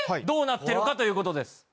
どうなってるか？ということです。